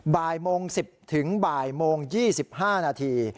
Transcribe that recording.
บ่ายโมง๑๐ถึงบ่ายโมง๒๕นาที